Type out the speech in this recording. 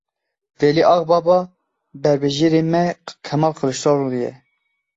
Velî Agbaba Berbijêrê me KemalKiliçdaroglu ye.